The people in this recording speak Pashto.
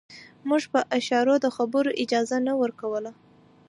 موږ په اشارو د خبرو اجازه نه ورکوله.